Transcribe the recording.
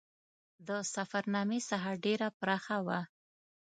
د سفرنامې ساحه ډېره پراخه وه.